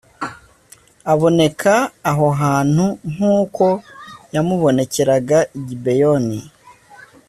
Aboneka aho hantu nk’uko yamubonekeraga i Gibeyoni